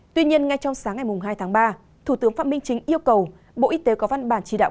tuy nhiên ngay trong sáng ngày hai tháng ba thủ tướng phạm minh chính yêu cầu bộ y tế có văn bản chỉ đạo